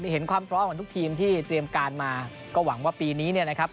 เห็นความพร้อมของทุกทีมที่เตรียมการมาก็หวังว่าปีนี้เนี่ยนะครับ